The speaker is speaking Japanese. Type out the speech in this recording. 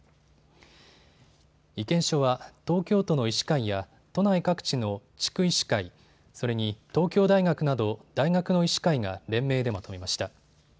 意見書は東京都の医師会や都内各地の地区医師会、それに東京大学など大学の医師会が連名でまとめました。